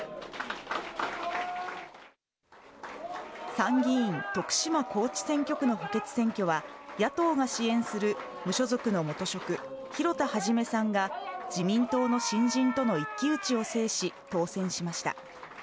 参議院徳島高知選挙区の補欠選挙は、野党が支援する無所属の元職、広田一さんが自民党の新人との一騎打ちを制し、当選しました。